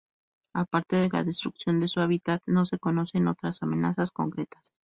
Aparte de la destrucción de su hábitat, no se conocen otras amenazas concretas.